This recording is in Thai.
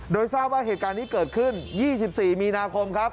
โดยทราบว่าเหตุการณ์นี้เกิดขึ้น๒๔มีนาคมครับ